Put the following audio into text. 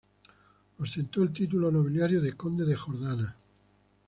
Ostentó el título nobiliario de conde de Jordana.